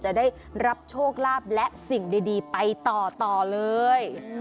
จะได้รับโชคลาภและสิ่งดีไปต่อเลย